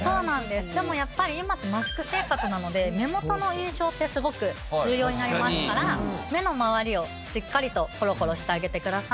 でもやっぱり今ってマスク生活なので目元の印象ってすごく重要になりますから目の周りをしっかりとコロコロしてあげてください。